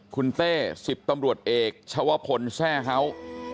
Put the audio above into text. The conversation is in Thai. คุณเต้สิบตำรวจเอกชาวพลแทร่ฮาว